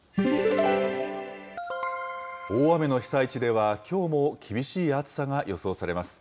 大雨の被災地では、きょうも厳しい暑さが予想されます。